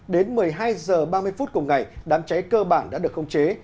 đến một mươi hai h ba mươi cùng ngày đám cháy cơ bản đã được không chế